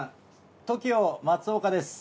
ＴＯＫＩＯ松岡です。